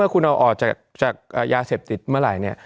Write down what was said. คุณเอาออกจากยาเสพติดเมื่อไหร่เนี่ย